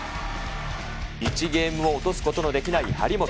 １ゲームも落とすことのできない張本。